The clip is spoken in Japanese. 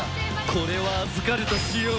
これは預かるとしよう。